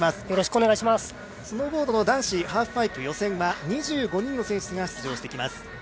スノーボード男子ハーフパイプ予選は２５人の選手が出場してきます。